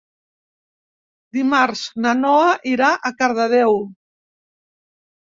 Dimarts na Noa irà a Cardedeu.